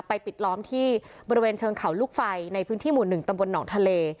ปิดล้อมที่บริเวณเชิงเขาลูกไฟในพื้นที่หมู่๑ตำบลหนองทะเล